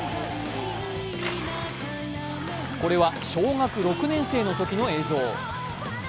これは小学６年生のときの映像。